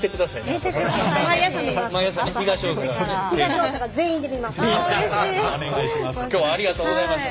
今日はありがとうございます。